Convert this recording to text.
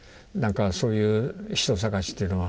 そういう人捜しっていうのは。